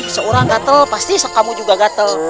seorang gatel pasti kamu juga gatel